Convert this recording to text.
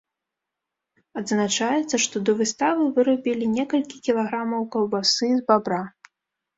Адзначаецца, што да выставы вырабілі некалькі кілаграмаў каўбасы з бабра.